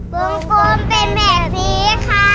กลมเป็นแบบนี้ค่ะ